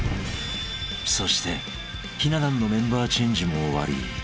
［そしてひな壇のメンバーチェンジも終わり］